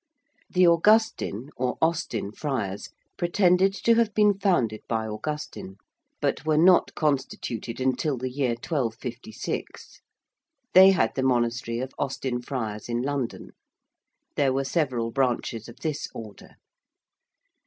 The Augustine, or Austin Friars, pretended to have been founded by Augustine, but were not constituted until the year 1256. They had the monastery of Austin Friars in London. There were several branches of this Order.